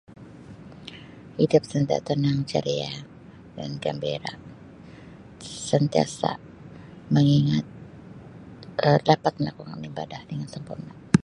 Hidup sentiasa tenang, ceria dan gembira sentiasa mengingat Um dapat melakukan ibadah dengan sempurna.